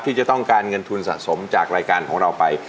ที่จะต้องการเงินทุนสะสมจากรายการของเราไป